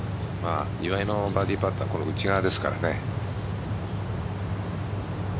岩井のバーディーパットは内側ですからね。